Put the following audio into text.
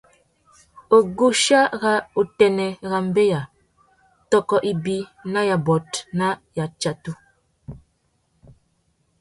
Wuguchia râ utênê râ mbeya tôkô ibi na yôbôt na yatsatu.